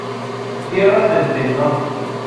Tierras del Pendón.